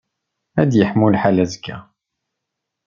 Ad yeḥmu lḥal azekka?